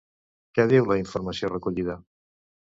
Què diu la informació recollida?